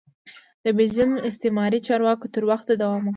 د بلجیم استعماري چارواکو تر وخته دوام وکړ.